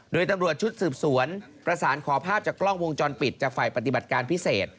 โดยตำรวจชุดสืบสวนประสานขอภาพจากกล้องวงจรปิดจากฝ่ายปฏิบัติการพิเศษ